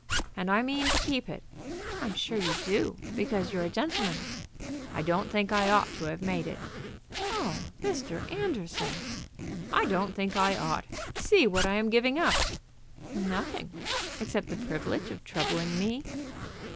"And I mean to keep it." "I'm sure you do, because you're a gentleman." "I don't think I ought to have made it." "Oh, Mr. Anderson!" "I don't think I ought. See what I am giving up." "Nothing, except the privilege of troubling me."